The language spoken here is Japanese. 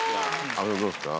阿部君どうですか？